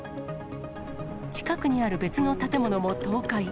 近くにある別の建物も倒壊。